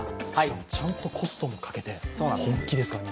ちゃんとコストもかけて、本気ですから、